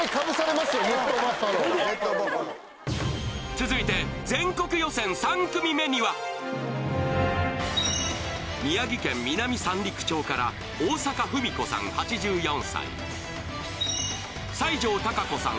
続いて全国予選３組目には宮城県南三陸町から大坂文子さん８４歳西城隆子さん